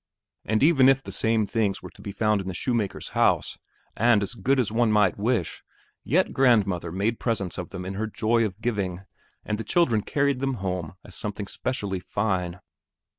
And even if the same things were to be found in the shoemaker's house and as good as one might wish, yet grandmother made presents of them in her joy of giving, and the children carried them home as something especially fine.